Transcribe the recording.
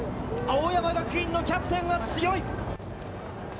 青山学院のキャプテンは強い。